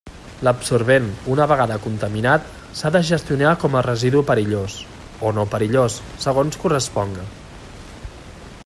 L'absorbent, una vegada contaminat, s'ha de gestionar com a residu perillós o no perillós, segons corresponga.